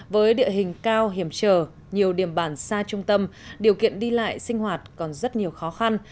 với địa hình cao hiểm trở nhiều điểm bản xa trung tâm điều kiện đi lại sinh hoạt còn rất nhiều khó khăn